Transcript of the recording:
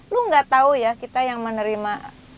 lu gak tau ya kita yang menerima